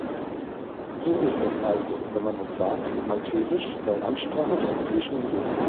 So ist das also, wenn man uns sagt, Maltesisch sei Amtssprache der Europäischen Union!